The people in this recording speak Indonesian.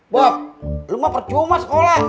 bob lu mah percuma sekolah